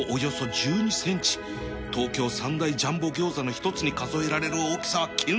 東京三大ジャンボギョーザの一つに数えられる大きさは健在だ